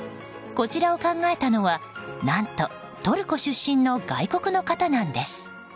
こちらを考えたのは何とトルコ出身の外国の方なんです。